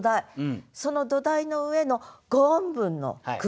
その土台の上の５音分の工夫と。